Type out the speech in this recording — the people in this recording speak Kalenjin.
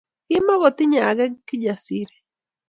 Kimukotinyei age Kijasiri